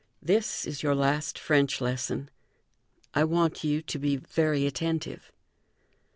This is your last French lesson. I want you to be very attentive."